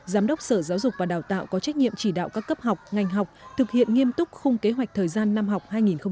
giám đốc sở giáo dục và đào tạo có trách nhiệm chỉ đạo các cấp học ngành học thực hiện nghiêm túc khung kế hoạch thời gian năm học hai nghìn hai mươi hai nghìn hai mươi một